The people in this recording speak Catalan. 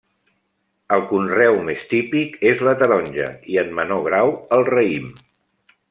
El conreu més típic és la taronja i en menor grau, el raïm.